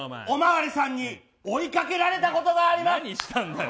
お巡りさんに追いかけられたことがあります。